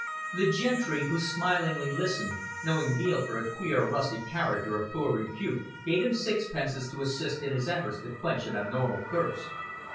The gentry who smilingly listened, knowing Veale for a queer rustic character of poor repute, gave him sixpences to assist in his efforts to quench an abnormal thirst.